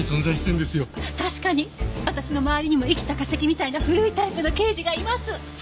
確かに私の周りにも生きた化石みたいな古いタイプの刑事がいます！